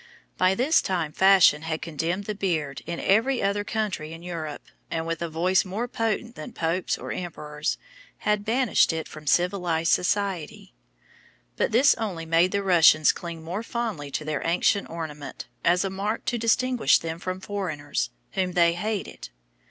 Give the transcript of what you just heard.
By this time fashion had condemned the beard in every other country in Europe, and with a voice more potent than popes or emperors, had banished it from civilised society. But this only made the Russians cling more fondly to their ancient ornament, as a mark to distinguish them from foreigners, whom they hated.